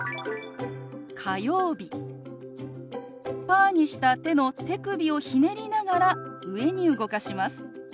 パーにした手の手首をひねりながら上に動かします。